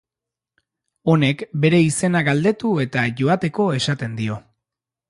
Honek, bere izena galdetu eta joateko esaten dio.